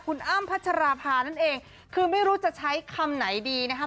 คุณอ้ำพัชราภานั่นเองคือไม่รู้จะใช้คำไหนดีนะครับ